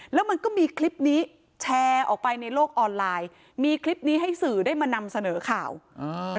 แล้วมันก็มีคลิปนี้แชร์ออกไปในโลกออนไลน์มีคลิปนี้ให้สื่อได้มานำเสนอข่าวอ่า